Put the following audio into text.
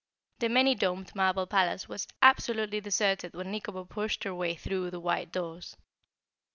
The many domed marble palace was absolutely deserted when Nikobo pushed her way through the wide doors.